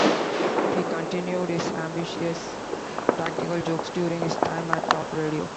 He continued his ambitious practical jokes during his time at Talk Radio.